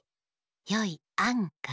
よい「あん」が「かけ」